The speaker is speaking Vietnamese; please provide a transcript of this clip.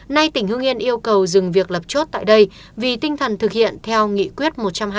nay tỉnh hưng yên yêu cầu dừng việc lập chốt tại đây vì tinh thần thực hiện theo nghị quyết một trăm hai mươi